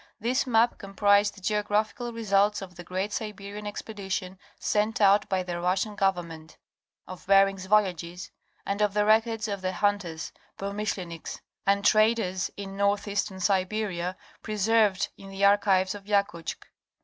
This map com prised the geographical results of the great Siberian expedition sent out by the Russian government; of Bering's voyages; and of the records of the hunters (Promishleniks) and traders in northeastern Siberia preserved in the archives of Yakutsk.